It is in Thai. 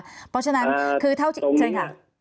เพราะฉะนั้นคือเท่าที่